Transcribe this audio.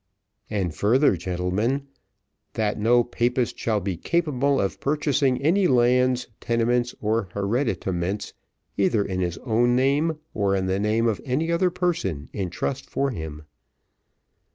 "And further, gentlemen, 'that no Papist shall be capable of purchasing any lands, tenements, or hereditaments, either in his own name, or in the name of any other person in trust for him.'"